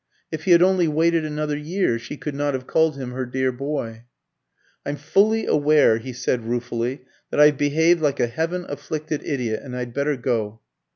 If he had only waited another year, she could not have called him her dear boy. "I'm fully aware," he said, ruefully, "that I've behaved like a heaven afflicted idiot, and I'd better go."